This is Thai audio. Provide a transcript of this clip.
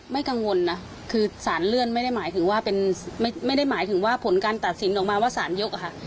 กังวลนะคือสารเลื่อนไม่ได้หมายถึงว่าเป็นไม่ได้หมายถึงว่าผลการตัดสินออกมาว่าสารยกอะค่ะ